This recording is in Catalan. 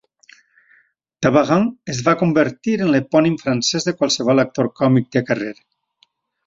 "Tabarin" es va convertir en l'epònim francès de qualsevol actor còmic de carrer.